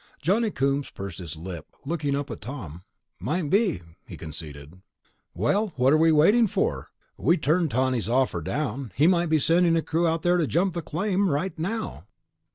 Johnny Coombs pursed his lips, looking up at Tom. "Might be," he conceded. "Well, what are we waiting for? We turned Tawney's offer down ... he might be sending a crew out to jump the claim right now."